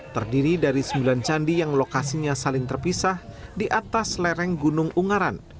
terdiri dari sembilan candi yang lokasinya saling terpisah di atas lereng gunung ungaran